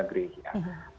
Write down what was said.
dan juga dengan urusan urusan